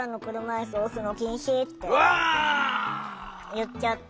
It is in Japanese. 言っちゃって。